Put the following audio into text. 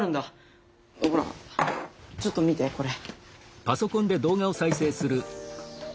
ほらちょっと見てこれ。